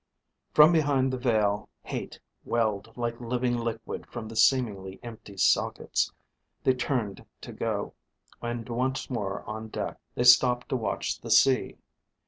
From behind the veil, hate welled like living liquid from the seemingly empty sockets. They turned to go, and once more on deck, they stopped to watch the sea.